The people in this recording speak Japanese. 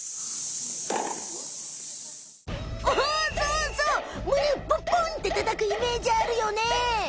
おそうそうむねをぽんぽんってたたくイメージあるよね。